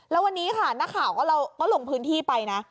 แล้ววันนี้ค่ะหน้าข่าวก็ลงพื้นที่ไปนะ